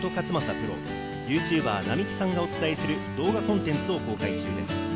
プロ、ＹｏｕＴｕｂｅｒ・なみきさんがお伝えする動画コンテンツを公開中です。